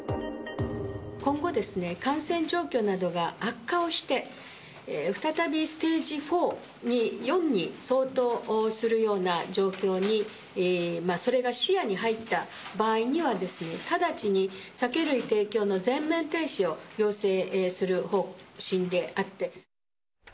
今後ですね、感染状況などが悪化をして、再びステージ４に、相当するような状況に、それが視野に入った場合にはですね、直ちに酒類提供の全面停止を要請する方針であって。